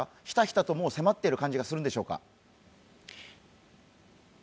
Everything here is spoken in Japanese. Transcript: ひたひたともう迫っているような感じがするんでしょうか。